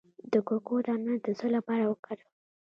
د کوکو دانه د څه لپاره وکاروم؟